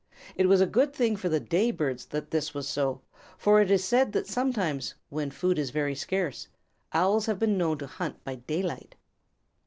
It was a good thing for the day birds that this was so, for it is said that sometimes, when food is very scarce, Owls have been known to hunt by daylight.